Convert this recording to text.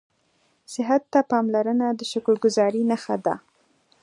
صحت ته پاملرنه د شکرګذارۍ نښه ده